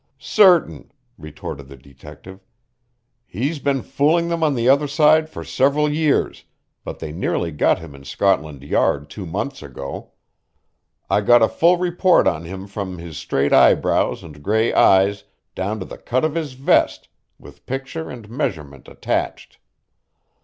"Certain," retorted the detective. "He's been fooling them on the other side for several years, but they nearly got him in Scotland Yard two months ago. I got a full report on him from his straight eyebrows and gray eyes down to the cut of his vest, with picture and measurement attached.